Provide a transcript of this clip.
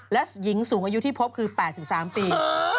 และหญิงสูงอายุที่พบคือ๘๓ปี